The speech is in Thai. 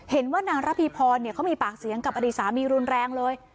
เห็นว่านางระพีพรเขามีปากเสียงกับอดีตสามีรุนแรงเลย